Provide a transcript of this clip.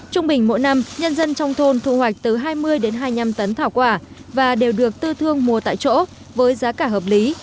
trung bình mỗi năm nhân dân trong thôn thu hoạch từ hai mươi đến hai mươi năm tấn thảo quả và đều được tư thương mua tại chỗ với giá cả hợp lý